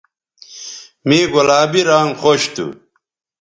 مے گلابی رانگ خوش تھو